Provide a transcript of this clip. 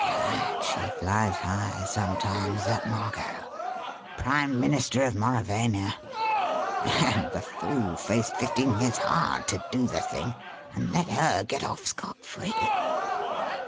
Gad! she flies high, sometimes, that Margot! Prime Minister of Mauravania! And the fool faced fifteen years hard to do the thing and let her get off scot free!